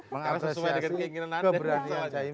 mengapresiasi keberanian cak imin